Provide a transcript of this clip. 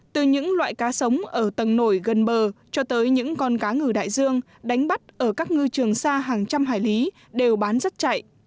từ những loại cá sống ở tầng nổi gần bờ cho tới những con cá ngừ đại dương đánh bắt ở các ngư trường xa hàng trăm hải lý đều bán rất chạy